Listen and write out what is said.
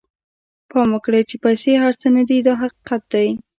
پام وکړئ چې پیسې هر څه نه دي دا حقیقت دی.